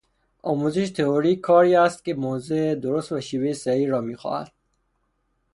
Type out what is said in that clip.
آموزش تئوری کاری است که موضع درست و شیوهٔ صحیح را میخواهد.